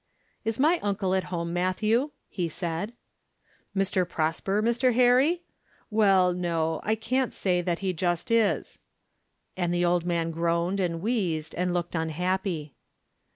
"Is my uncle at home, Matthew?" he said. "Mr. Prosper, Mr. Harry? Well, no; I can't say that he just is;" and the old man groaned, and wheezed, and looked unhappy.